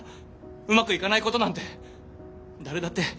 うまくいかないことなんて誰だって。